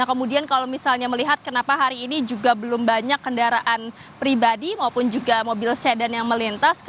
kemudian kalau misalnya melihat kenapa hari ini juga belum banyak kendaraan pribadi maupun juga mobil sedan yang melintas